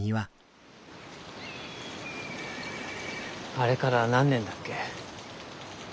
あれから何年だっけ？